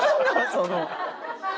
その。